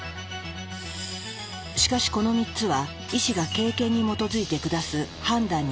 しかしこの３つは医師が経験に基づいて下す判断にすぎない。